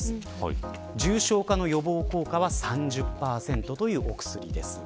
重症化の予防効果は３０％というお薬です。